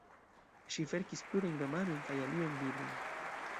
Ŝi verkis plurajn romanojn kaj aliajn librojn.